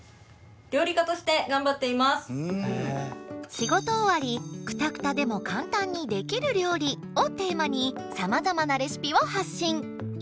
「仕事終わりクタクタでも簡単にできる料理」をテーマにさまざまなレシピを発信！